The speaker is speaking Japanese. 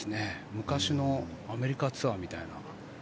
昔のアメリカツアーみたいな。